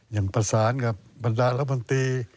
อย่างประสานกับบรรดาและบังติ